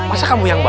masa kamu yang bawah